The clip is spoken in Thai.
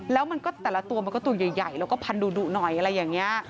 แล้วมันก็แต่ละตัวมันก็ตัวใหญ่แล้วก็พันดุหน่อยอะไรอย่างนี้